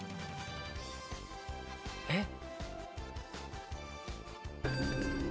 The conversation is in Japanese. えっ？